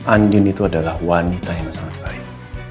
andin itu adalah wanita yang sangat baik